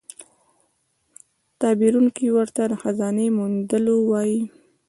تعبیرونکی ورته د خزانې موندلو وايي.